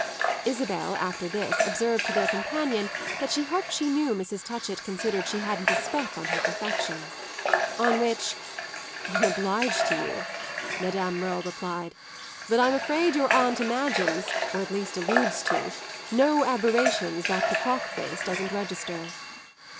Isabel after this observed to their companion that she hoped she knew Mrs. Touchett considered she hadn't a speck on her perfection. On which "I'm obliged to you," Madame Merle replied, "but I'm afraid your aunt imagines, or at least alludes to, no aberrations that the clock face doesn't register."